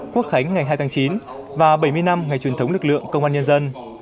quốc khánh ngày hai tháng chín và bảy mươi năm ngày truyền thống lực lượng công an nhân dân